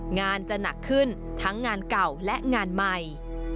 งานจะหนักขึ้นทั้งงานเก่าและงานใหม่